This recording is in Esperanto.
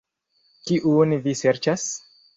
Kiun vi serĉas?